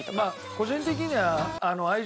個人的には。